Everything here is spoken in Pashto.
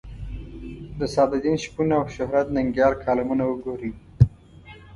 د سعدالدین شپون او شهرت ننګیال کالمونه وګورئ.